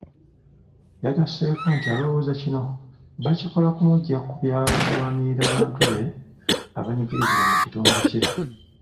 Yagasseeko nti alowooza kino bakikola kumuggya ku byakulwanirira bantu be abanyigirizibwa mu kitundu kye.